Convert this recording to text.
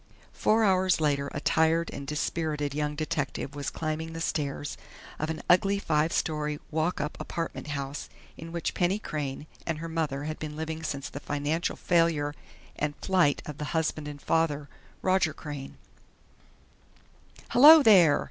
Four hours later a tired and dispirited young detective was climbing the stairs of an ugly, five story "walk up" apartment house in which Penny Crain and her mother had been living since the financial failure and flight of the husband and father, Roger Crain. "Hello, there!"